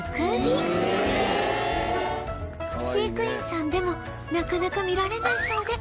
飼育員さんでもなかなか見られないそうで